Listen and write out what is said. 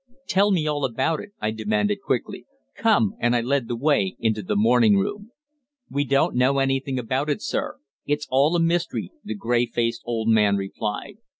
"Tell me all about it," I demanded, quickly. "Come!" and I led the way into the morning room. "We don't know anything about it, sir; it's all a mystery," the grey faced old man replied.